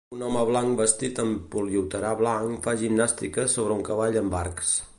Un home blanc vestit amb poliuretà blanc fa gimnàstica sobre un cavall amb arcs.